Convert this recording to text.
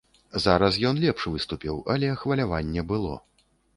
Зараз ён лепш выступіў, але хваляванне было.